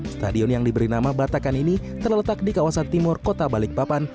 stadion yang diberi nama batakan ini terletak di kawasan timur kota balikpapan